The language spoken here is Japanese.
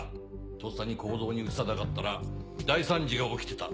とっさに行動に移さなかったら大惨事が起きてた。